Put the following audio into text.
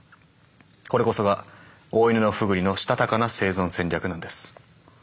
これこそがオオイヌノフグリのしたたかな生存戦略なんです。